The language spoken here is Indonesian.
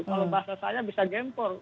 kalau bahasa saya bisa gempor